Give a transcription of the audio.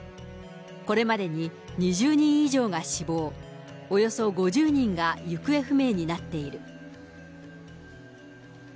これまでに２０人以上が死亡、およそ５０人が行方不明になっている。